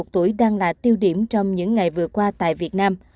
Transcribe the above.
một mươi một tuổi đang là tiêu điểm trong những ngày vừa qua tại việt nam